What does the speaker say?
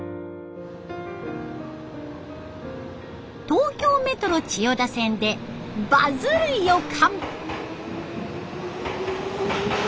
東京メトロ千代田線で「バズる予感」！